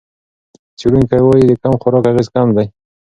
څېړونکي وايي د کم خوراک اغېز کم دی.